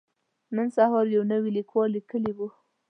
نن سهار يو نوي ليکوال ليکلي وو.